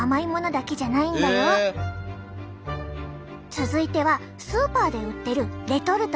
続いてはスーパーで売ってるレトルトのエビチリ。